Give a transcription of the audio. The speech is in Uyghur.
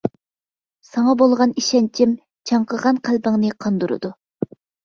ساڭا بولغان ئىشەنچىم چاڭقىغان قەلبىڭنى قاندۇرىدۇ.